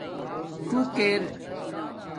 څُݸک ار